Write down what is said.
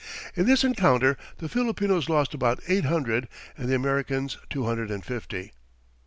In this encounter the Filipinos lost about eight hundred, and the Americans two hundred and fifty.